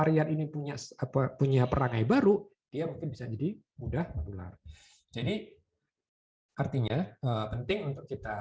rian ini punya apa punya perangai baru dia mungkin bisa jadi mudah menular jadi artinya penting untuk kita